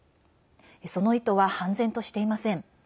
その意図は判然としていません。